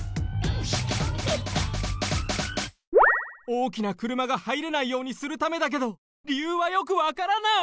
おおきなくるまがはいれないようにするためだけどりゆうはよくわからない！